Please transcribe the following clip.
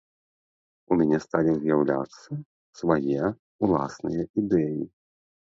У мяне сталі з'яўляцца свае ўласныя ідэі.